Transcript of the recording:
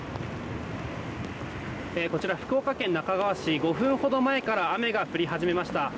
こちら、福岡県那珂川市５分ほど前から雨が降り始めました。